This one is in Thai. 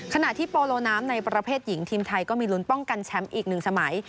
ขณะที่โปโลน้ำในประเภทหญิงทีมไทยก็มีลุ้นป้องกันแชมป์อีกหนึ่งสมัย